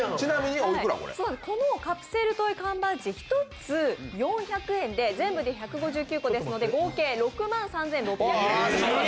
このカプセルトイ缶バッジ１つ４００円で、全部で１５９個ですので合計６万３６００円。